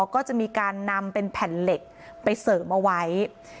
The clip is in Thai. ก็จะมีการนำเป็นแผ่นเหล็กไปเสริมเอาไว้